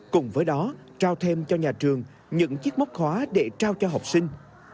cùng với đó trao thêm cho nhà trường những chiếc móc khóa để trao cho học sinh